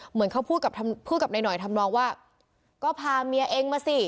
เหมือนเขาพูดกับพูดกับนายหน่อยทำนองว่าก็พาเมียเองมาสิ